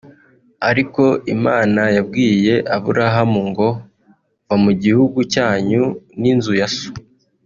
Ariko Imana yabwiye Aburahamu ngo va mu gihugu cyanyu n’inzu ya so